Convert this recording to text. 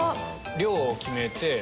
量を決めて。